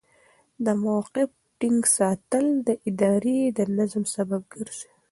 د موقف ټینګ ساتل د ادارې د نظم سبب ګرځي.